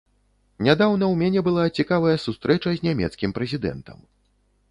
Нядаўна ў мяне была цікавая сустрэча з нямецкім прэзідэнтам.